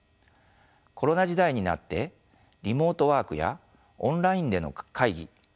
コロナ時代になってリモートワークやオンラインでの会議